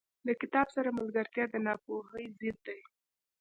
• د کتاب سره ملګرتیا، د ناپوهۍ ضد دی.